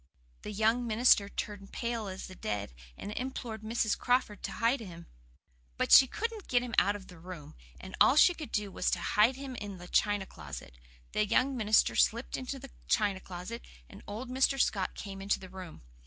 The young minister turned pale as the dead, and implored Mrs. Crawford to hid him. But she couldn't get him out of the room, and all she could do was to hide him in the china closet. The young minister slipped into the china closet, and old Mr. Scott came into the room.